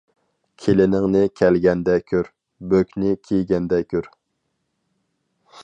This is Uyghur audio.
كېلىنىڭنى كەلگەندە كۆر، بۆكنى كىيگەندە كۆر.